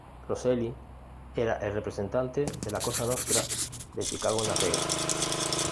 Roselli era el representante de la Cosa Nostra de Chicago en Las Vegas.